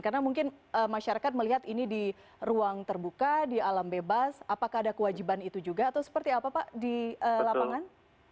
karena mungkin masyarakat melihat ini di ruang terbuka di alam bebas apakah ada kewajiban itu juga atau seperti apa pak di lapangan